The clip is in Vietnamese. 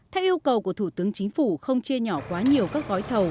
theo yêu cầu của thủ tướng chính phủ không chia nhỏ quá nhiều các gói thầu